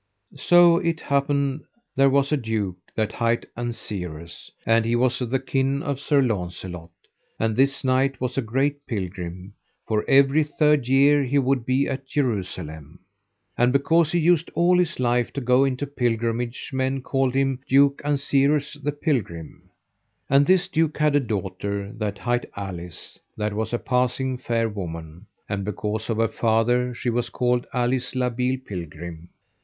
So it happed there was a duke that hight Ansirus, and he was of the kin of Sir Launcelot. And this knight was a great pilgrim, for every third year he would be at Jerusalem. And because he used all his life to go in pilgrimage men called him Duke Ansirus the Pilgrim. And this duke had a daughter that hight Alice, that was a passing fair woman, and because of her father she was called Alice la Beale Pilgrim.